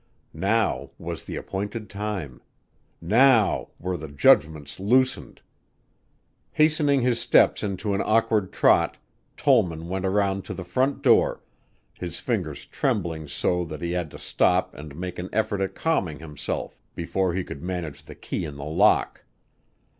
Now was the appointed time! Now were the judgments loosened! Hastening his steps into an awkward trot, Tollman went around to the front door, his fingers trembling so that he had to stop and make an effort at calming himself before he could manage the key in the lock.